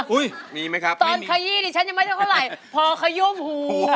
อุ๊ยตอนขยี้ฉันยังไม่เท่าไหร่พอขยุ่มหู